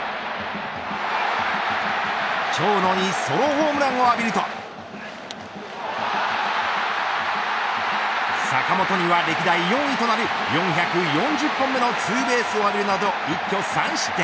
長野にソロホームランを浴びると坂本には、歴代４位となる４４０本目のツーベースを浴びるなど一挙３失点。